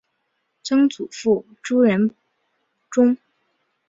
曾祖父朱仁仲。